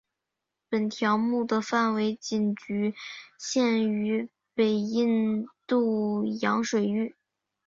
本条目的范围仅局限于北印度洋水域。